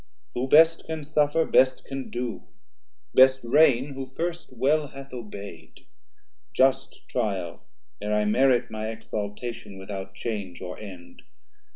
who best Can suffer, best can do; best reign, who first Well hath obey'd; just tryal e're I merit My exaltation without change or end.